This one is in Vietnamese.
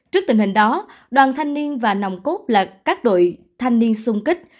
trước tình hình đó đoàn thanh niên và nồng cốt là các đội thanh niên sung kích